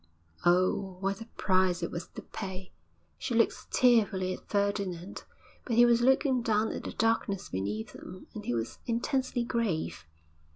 Oh, what a price it was to pay! She looked tearfully at Ferdinand, but he was looking down at the darkness beneath them, and he was intensely grave.